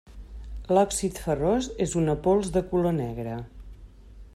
L'òxid ferrós és una pols de color negre.